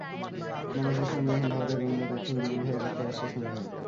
বাংলাদেশের সঙ্গে এখন ভারতের গোয়েন্দা তথ্য বিনিময় হয়, যুক্তরাষ্ট্রের সঙ্গে হয়।